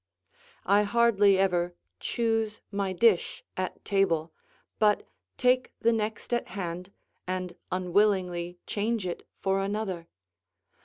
I hardly ever choose my dish at table, but take the next at hand, and unwillingly change it for another.